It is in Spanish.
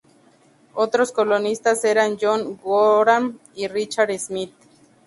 Otros colonialistas eran John Gorham y Richard Smith.